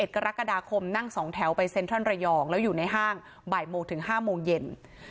กรกฎาคมนั่ง๒แถวไปเซ็นทรัลระยองแล้วอยู่ในห้างบ่ายโมงถึง๕โมงเย็น